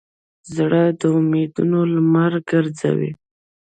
زړه د امیدونو لمر ګرځوي.